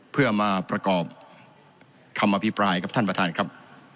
เพื่อมาประกอบคำอภิปรายครับท่านประธานครับ